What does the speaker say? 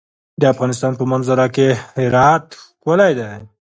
د افغانستان په منظره کې هرات ښکاره دی.